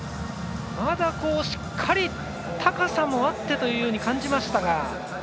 まだしっかり高さもあってというように感じましたが。